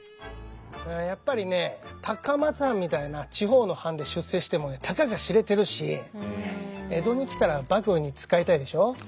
やっぱりね高松藩みたいな地方の藩で出世してもねたかが知れてるし江戸に来たら幕府に仕えたいでしょ？